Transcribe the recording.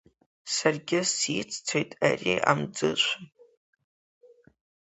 Саргьы сиццоит ари амӡышәа!